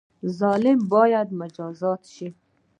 ظالم باید مجازات شي